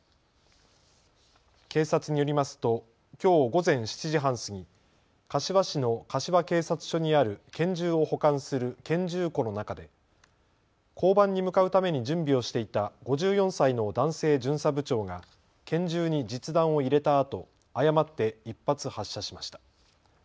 警察によりますときょう午前７時半過ぎ、柏市の柏警察署にある拳銃を保管する拳銃庫の中で交番に向かうために準備をしていた５４歳の男性巡査部長が拳銃に実弾を入れたあと、誤って１発発射しました。